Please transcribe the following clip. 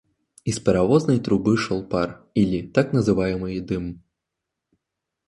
Из паровозной трубы шёл пар или, так называемый, дым.